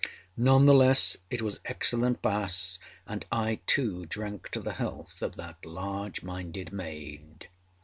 None the less, it was excellent Bass, and I too drank to the health of that large minded maid.